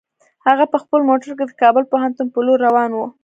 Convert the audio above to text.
هغه په خپل موټر کې د کابل پوهنتون په لور روان و.